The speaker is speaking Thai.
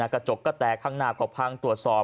กระจกกระแตะข้างหน้าก็พัง